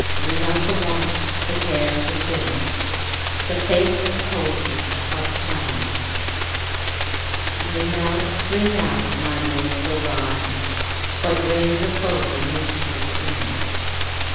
Ring out the want, the care the sin, The faithless coldness of the times; Ring out, ring out my mournful rhymes, But ring the fuller minstrel in.